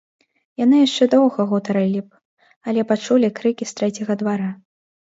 Яны яшчэ доўга гутарылі б, але пачулі крыкі з трэцяга двара.